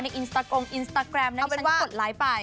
ในอินสตาแกรมนั้นพี่ฉันก็กดไลค์ไป